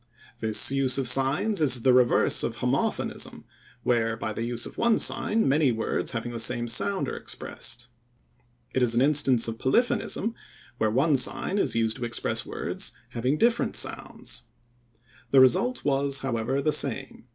This use of signs is the reverse of homophonism, where by the use of one sign many words having the same sound are expressed. It is an instance of polyphonism where one sign is used to express words having different sounds. The result was, however, the same.